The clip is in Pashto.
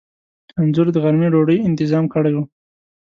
انځور د غرمې ډوډۍ انتظام کړی و.